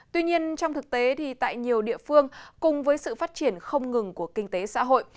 tuy nhiên trong thực tế tại nhiều địa phương cùng với sự phát triển không ngừng của kinh tế xã hội